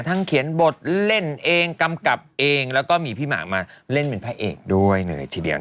เขียนบทเล่นเองกำกับเองแล้วก็มีพี่หมากมาเล่นเป็นพระเอกด้วยเลยทีเดียว